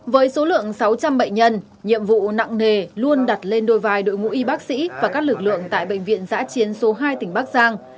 với số lượng sáu trăm linh bệnh nhân nhiệm vụ nặng nề luôn đặt lên đôi vai đội ngũ y bác sĩ và các lực lượng tại bệnh viện giã chiến số hai tỉnh bắc giang